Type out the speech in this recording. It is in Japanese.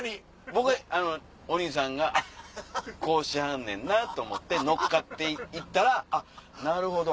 僕はお兄さんがこうしはんねんなと思って乗っかって行ったら。